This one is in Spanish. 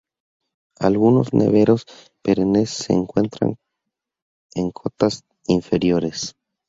Algunos neveros perennes se encuentran en cotas inferiores.